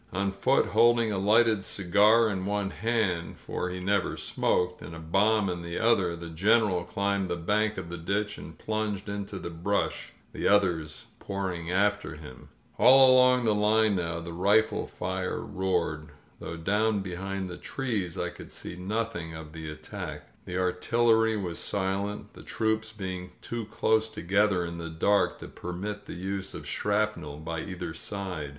On foot, holding a lighted cigar in one hand — for he never smoked — and a bomb in the other, the Greneral climbed the bank of the ditch and plimged into the brush, the others pouring after him. ••• S60 A NIGHT ATTACK All along the line noir the rifle fire roared, though down behind the trees I could see nothing of the attack. The artillery was silent, the troops being too close to gether in the dark to permit the use of shrapnel by either side.